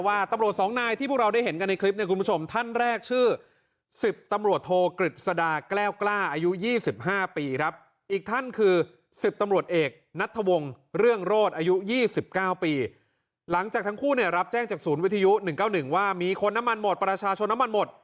ว่ามีคนน้ำมันหมดประชาชนน้ำมันหมด